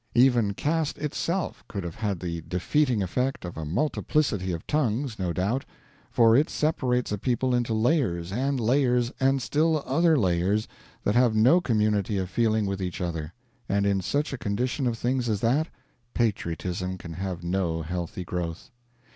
Even caste itself could have had the defeating effect of a multiplicity of tongues, no doubt; for it separates a people into layers, and layers, and still other layers, that have no community of feeling with each other; and in such a condition of things as that, patriotism can have no healthy growth.